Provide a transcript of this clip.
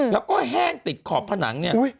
แล้วก็แห้งติดขอบผนังเนี่ย